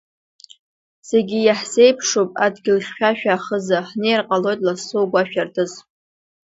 Зегьы иаҳзеиԥшуп адгьылхьшәашәа ахыза, ҳнеир ҟалоит лассы, угәашә артыз!